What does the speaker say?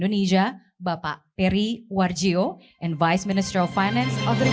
dan apa adalah masalah strategis yang berkaitan dengan memperkuat